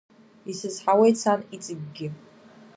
Исызҳауеит, сан, иҵегьгьы.